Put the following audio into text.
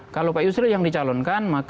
kalau pak yusril yang dicalonkan